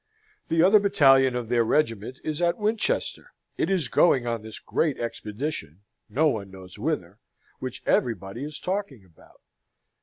The other battalion of their regiment is at Winchester: it is going on this great expedition, no one knows whither, which everybody is talking about.